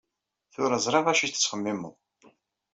Tura ẓriɣ acu i tettxemmimeḍ.